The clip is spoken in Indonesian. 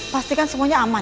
pastikan semuanya aman ya